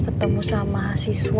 ketemu sama mahasiswa disana